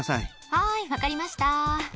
はい、分かりました。